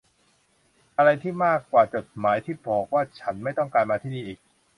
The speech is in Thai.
อะไรที่มากกว่าจดหมายที่บอกฉันว่าไม่ต้องการมาที่นี่อีก